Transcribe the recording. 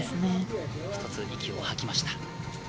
一つ息を吐きました。